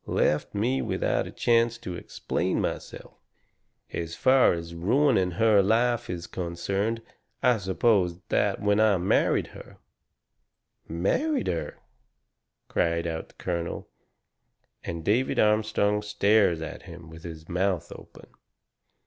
Left me without a chance to explain myself. As far as ruining her life is concerned, I suppose that when I married her " "Married her!" cries out the colonel. And David Armstrong stares at him with his mouth open.